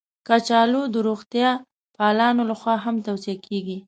کچالو د روغتیا پالانو لخوا هم توصیه کېږي